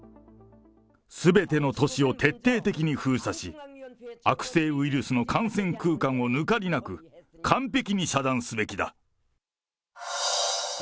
すべての都市を徹底的に封鎖し、悪性ウイルスの感染空間を抜かりなく、完璧に遮断すべきだ。